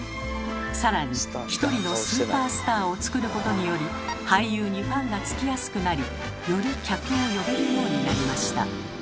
さらに１人のスーパースターをつくることにより俳優にファンがつきやすくなりより客を呼べるようになりました。